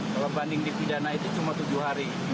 kalau banding di pidana itu cuma tujuh hari